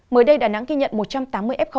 mới đây đà nẵng ghi nhận một trăm tám mươi f